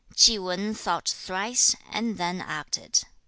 Chi Wan thought thrice, and then acted.